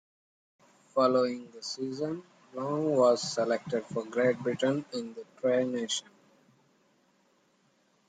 Following the season, Long was selected for Great Britain in the Tri nations.